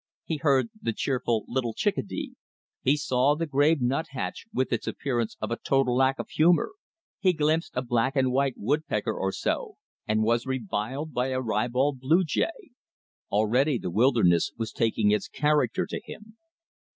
He heard the cheerful little chickadee; he saw the grave nuthatch with its appearance of a total lack of humor; he glimpsed a black and white woodpecker or so, and was reviled by a ribald blue jay. Already the wilderness was taking its character to him.